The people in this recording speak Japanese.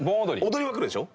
踊りわかるでしょ？